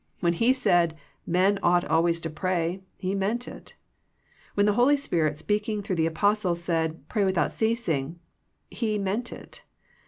When He said, "Men ought always to pray," He meant it. When the Holy Spirit speaking through the Apostle said '* Pray without ceasing," He meant it.